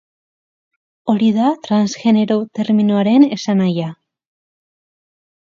Hori da transgenero terminoaren esanahia.